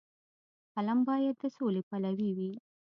فلم باید د سولې پلوي وي